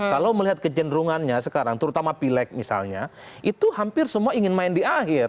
kalau melihat kecenderungannya sekarang terutama pileg misalnya itu hampir semua ingin main di akhir